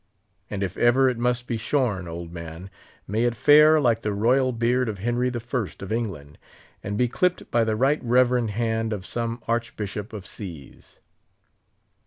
And if ever it must be shorn, old man, may it fare like the royal beard of Henry I., of England, and be clipped by the right reverend hand of some Archbishop of Sees.